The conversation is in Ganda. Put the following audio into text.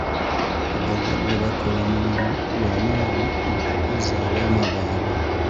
Abazadde bakola omulimu gw'amaanyi mu kukuza abaana baabwe.